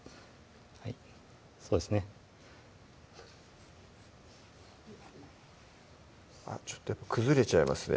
はいそうですねあっちょっと崩れちゃいますね